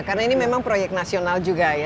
karena ini memang proyek nasional juga ya